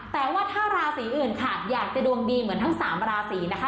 แต่ว่าถ้าราศีอื่นค่ะอยากจะดวงดีเหมือนทั้งสามราศีนะคะ